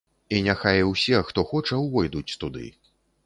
І няхай усе, хто хоча, увойдуць туды.